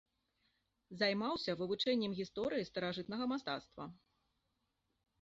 Займаўся вывучэннем гісторыі старажытнага мастацтва.